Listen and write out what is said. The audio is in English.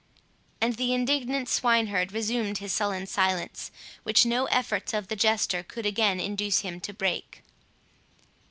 And the indignant swineherd resumed his sullen silence, which no efforts of the Jester could again induce him to break.